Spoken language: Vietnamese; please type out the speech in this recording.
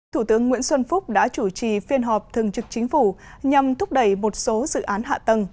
thủ tướng nguyễn xuân phúc đã chủ trì phiên họp thường trực chính phủ nhằm thúc đẩy một số dự án hạ tầng